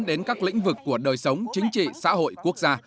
đến các lĩnh vực của đời sống chính trị xã hội quốc gia